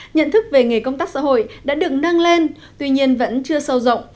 nhận thức về nghề công tác xã hội đã được nâng lên tuy nhiên vẫn chưa sâu rộng